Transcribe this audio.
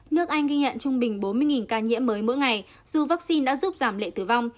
nước anh ghi nhận trung bình bốn mươi ca nhiễm mới mỗi ngày dù vaccine đã giúp giảm lệ tử vong